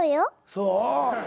そう？